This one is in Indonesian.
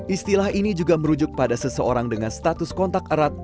istilah ini juga merujuk pada seseorang dengan status kontak erat